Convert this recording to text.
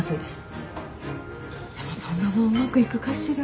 でもそんなのうまくいくかしら